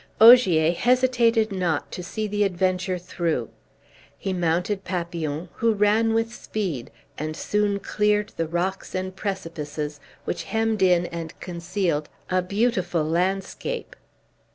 Ogier hesitated not to see the adventure through; he mounted Papillon, who ran with speed, and soon cleared the rocks and precipices which hemmed in and concealed a beautiful landscape.